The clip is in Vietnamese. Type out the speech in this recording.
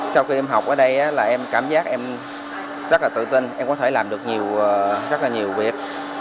sau khi em học ở đây là em cảm giác em rất là tự tin em có thể làm được rất là nhiều việc